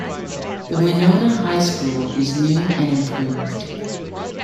The Winona high school is new and improved.